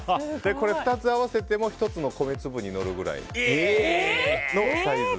２つ合わせても１つの米粒に乗るぐらいのサイズ。